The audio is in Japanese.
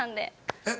えっ